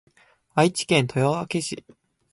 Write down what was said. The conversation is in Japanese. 愛知県豊明市